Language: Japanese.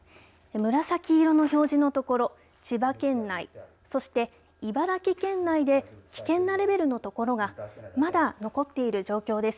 紫色の表示のところ千葉県内、そして茨城県内で危険なレベルのところがまだ残っている状況です。